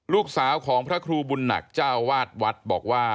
ลูกสาวของพระครูบุญหนักเจ้าวาดวัดบอกว่า